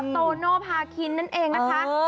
โตโนภาคินนั่นเองนะคะ